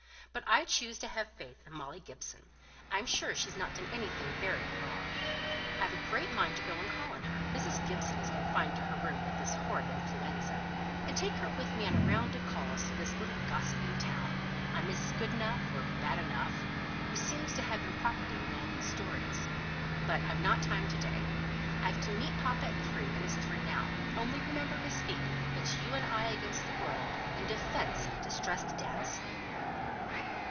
"But I choose to have faith in Molly Gibson. I'm sure she's not done anything very wrong. I've a great mind to go and call on her Mrs. Gibson is confined to her room with this horrid influenza and take her with me on a round of calls through this little gossiping town, on Mrs. Goodenough, or Badenough, who seems to have been propagating all these stories. But I've not time to day. I've to meet papa at three, and it's three now. Only remember, Miss Phoebe, it's you and I against the world, in defence of a distressed damsel."